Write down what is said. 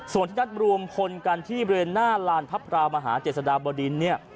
ส่วนที่นัดรวมพลกันที่บริเวณหน้าลานพระพราวมหาเจษฎาบดินเนี่ย